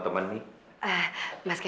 apa sudah sudah